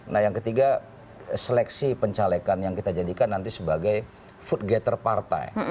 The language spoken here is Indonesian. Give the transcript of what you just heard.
nah yang ketiga seleksi pencalekan yang kita jadikan nanti sebagai food getter partai